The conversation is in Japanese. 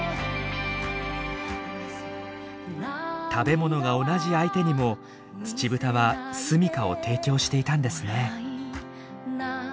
食べ物が同じ相手にもツチブタは住みかを提供していたんですね。